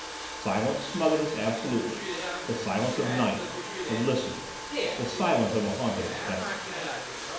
Silence smothered us absolutely—the silence of night, of listening, the silence of a haunted expectancy.